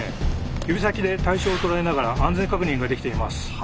指先で対象を捉えながら安全確認ができています。